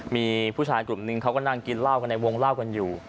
มีผู้ชายกลุ่มนึงเขาก็นั่งกินเหล้ากันในวงเล่ากันอยู่